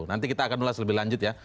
nanti kita akan ulas lebih lanjut ya